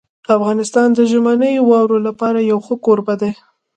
افغانستان د ژمنیو واورو لپاره یو ښه کوربه دی.